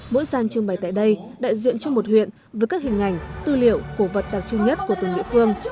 mỗi gian trưng bày tại đây đại diện cho một huyện với các hình ảnh tư liệu cổ vật đặc trưng nhất của từng địa phương